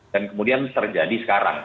dan kemudian terjadi sekarang